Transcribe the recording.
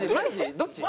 どっち？